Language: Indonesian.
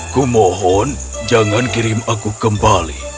kumohon jangan kirim aku kembali